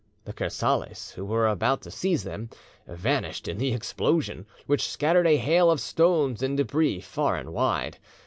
The Kersales, who were about to seize them, vanished in the explosion, which scattered a hail of stones and debris far and wide.